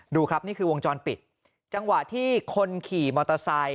ดูครับนี่คือวงจรปิดจังหวะที่คนขี่มอเตอร์ไซค์